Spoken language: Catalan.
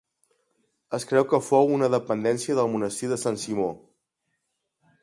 Es creu que fou una dependència del monestir de Sant Simó.